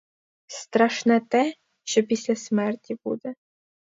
Страшне те, що після смерті буде.